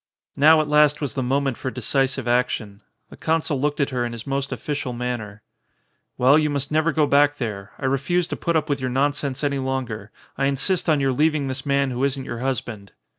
Now at last was the moment for decisive action. The consul looked at her in his most official man ner. "Well, you must never go back there. I refuse to put up with your nonsense any longer. I in sist on your leaving this man who isn't your hus band."